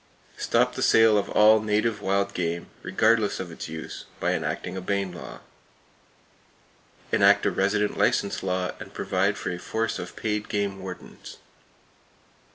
Stop the sale of all native wild game, regardless of its use, by enacting a Bayne law. Enact a resident license law, and provide for a force of paid game wardens.